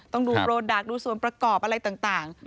ต้องดูโปรดักต์ดูส่วนประกอบอะไรต่าง